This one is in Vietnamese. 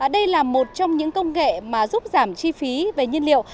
đây là một trong những công nghệ mà giúp giảm chi phí về nhiên liệu